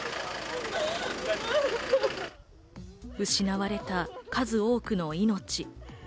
失われた数多くの命。